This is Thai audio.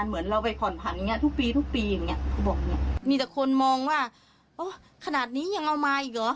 เหมือนเราไปขอนทหังอย่างนี้ทุกปีก็บอกอย่างนี้